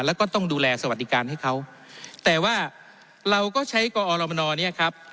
แล้วก็ต้องดูแลสวัสดิการให้เขาแต่ว่าเราก็ใช้กอรมนเนี่ยครับ